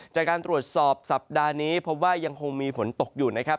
จากการตรวจสอบสัปดาห์นี้พบว่ายังคงมีฝนตกอยู่นะครับ